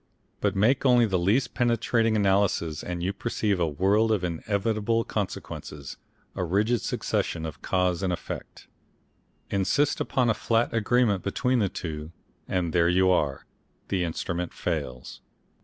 But make only the least penetrating of analyses and you perceive a world of inevitable consequences, a rigid succession of cause and effect. Insist upon a flat agreement between the two, and there you are! The Instrument fails.